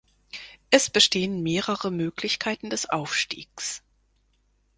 Es bestehen mehrere Möglichkeiten des Aufstiegs.